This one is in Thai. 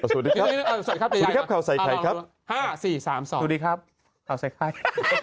สวัสดีครับขาวไสขัย